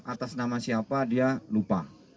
atas nama siapa dia lupa